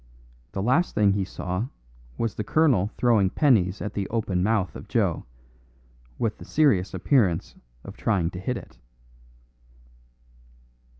The last thing he saw was the colonel throwing pennies at the open mouth of Joe, with the serious appearance of trying to hit it.